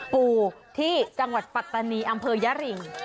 ปู่ที่จังหวัดปัตตานีอำเภอยริง